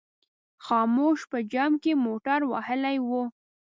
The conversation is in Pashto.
خاموش په جمپ کې موټر وهلی و.